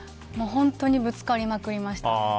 本当にぶつかりまくりました。